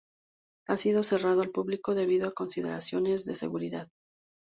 Ha sido cerrado al público debido a consideraciones de seguridad.